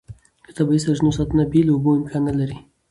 د طبیعي سرچینو ساتنه بې له اوبو امکان نه لري.